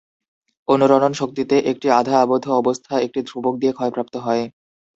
অনুরণন শক্তিতে একটি আধা আবদ্ধ অবস্থা একটি ধ্রুবক দিয়ে ক্ষয়প্রাপ্ত হয়।